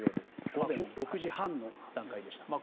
午前６時半の段階です。